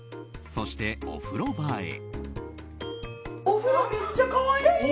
そして、お風呂場へ。